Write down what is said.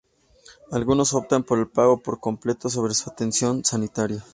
Algunos, optan por el pago por completo sobre su atención sanitaria.